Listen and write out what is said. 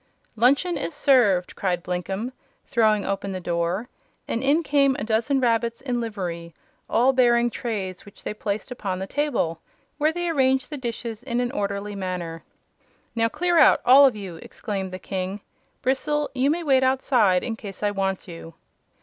"Luncheon is served!" cried Blinkem, throwing open the door, and in came a dozen rabbits in livery, all bearing trays which they placed upon the table, where they arranged the dishes in an orderly manner. "Now clear out all of you!" exclaimed the King. "Bristle, you may wait outside, in case I want you."